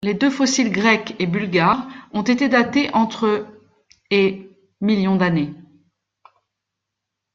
Les deux fossiles grec et bulgare ont été datés entre et millions d'années.